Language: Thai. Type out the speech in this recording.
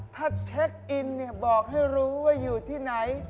ถ้าเช็คอินบอกให้รู้ว่าอยู่ที่ไหน